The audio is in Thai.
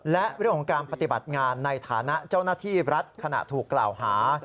และเรื่องของการปฏิบัติงานในฐานะเจ้าหน้าที่รัฐขณะถูกกล่าวหา